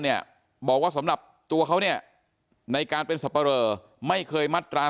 เนี่ยบอกว่าสำหรับตัวเขาเนี่ยในการเป็นสับปะเรอไม่เคยมัตรา